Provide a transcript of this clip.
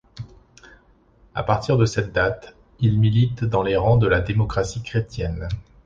À partir de cette date, il milite dans les rangs de la démocratie chrétienne.